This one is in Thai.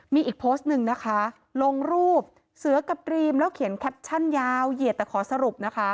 มีอีกโพสต์หนึ่งนะคะลงรูปเสือกับดรีมแล้วเขียนแคปชั่นยาวเหยียดแต่ขอสรุปนะคะ